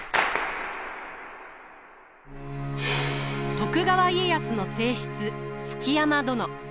徳川家康の正室築山殿。